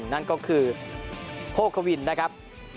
นั่นก็คือโภควินนะครับ